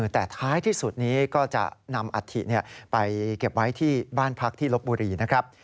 แต่ท้ายที่สุดนี้ก็จะนำอัฐิไปเก็บไว้ที่บ้านพักที่ลบบุรีนะครับ